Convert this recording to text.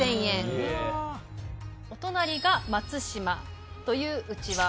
お隣が「松島」といううちわ。